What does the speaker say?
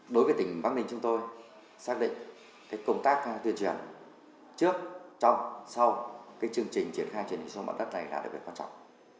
đối với tỉnh bắc ninh chúng tôi xác định công tác tuyên truyền trước trong sau chương trình triển khai chuyển đổi số mặt đất này là đặc biệt quan trọng